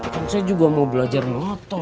kan saya juga mau belajar motor